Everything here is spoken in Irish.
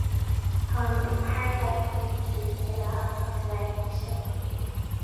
Táim thar a bheith buíoch daoibh uile as ucht a bheith ag éisteacht liom